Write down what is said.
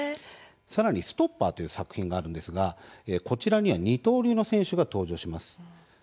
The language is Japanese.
さらに「ストッパー」という作品があるんですが、こちらには二刀流の選手が登場します。